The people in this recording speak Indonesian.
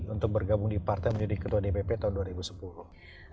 untuk bergabung di partai menjadi ketua dpp tahun dua ribu sepuluh